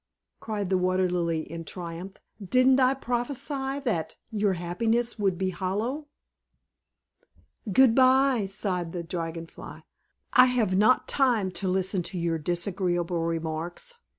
cried the Water Lily in triumph. "Didn't I prophesy that your happiness would be hollow?" "Good bye," sighed the Dragon Fly. "I have not time to listen to your disagreeable remarks.